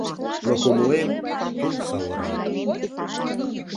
Но кумылем — тул савора.